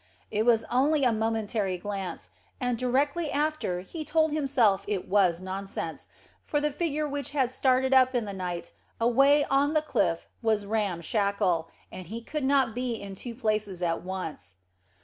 It was only a momentary glance, and directly after he told himself it was nonsense, for the figure which had started up in the night, away on the cliff was Ram Shackle, and he could not be in two places at once.